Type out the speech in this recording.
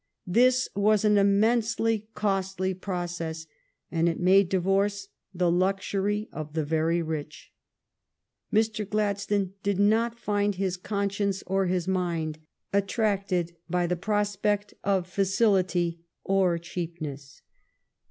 This was an im mensely costly process, and it made divorce the luxury of the very rich. Mr. Gladstone did not find his conscience or his mind attracted by the prospect of facility or cheapness.